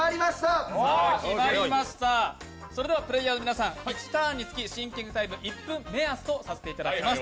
それではプレーヤーの皆さん、シンキングタイム１分目安とさせていただきます。